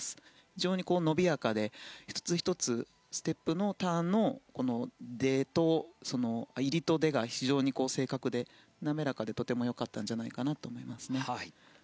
非常にのびやかで１つ１つステップのターンの入りと出が非常に正確で滑らかでとても良かったんじゃないかと思いますね。